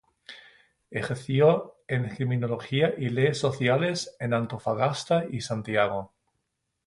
Ejerció en criminología y leyes sociales en Antofagasta y Santiago.